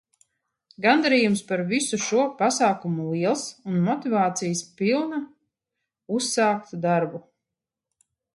Gandarījums par visu šo pasākumu liels un motivācijas pilna uzsākt darbu.